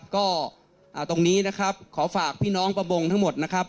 ก็ตรงนี้ขอฝากพี่น้องประมงทั้งหมด